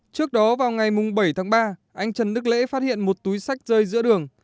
trước đó vào ngày bảy tháng ba anh trần đức lễ phát hiện một túi sách rơi giữa đường